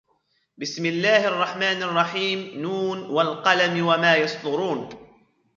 بسم الله الرحمن الرحيم ن والقلم وما يسطرون